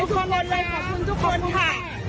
ขอบคุณทุกคนค่ะ